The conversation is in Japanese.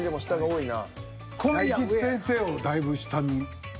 大吉先生もだいぶ下に。